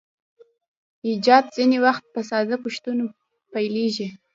ایجاد ځینې وخت په ساده پوښتنو پیلیږي.